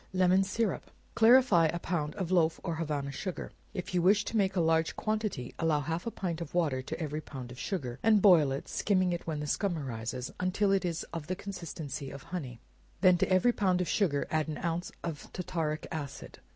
Lemon Syrup. Clarify a pound of loaf or Havana sugar, or if you wish to make a large quantity, allow half a pint of water to every pound of sugar, and boil it, skimming it when the scum arises, until it is of the consistency of honey; then to every pound of sugar, add an ounce of tartaric acid.